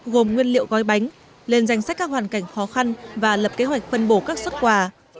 gồm nguyên liệu gói bánh lên danh sách các hoàn cảnh khó khăn và lập kế hoạch phân bổ các xuất quà